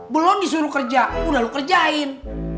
belom disuruh kerja mudah lu kerjain